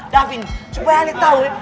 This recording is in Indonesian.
davi supaya ale tau ya